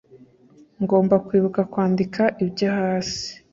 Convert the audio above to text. ngomba kwibuka kwandika ibyo hasi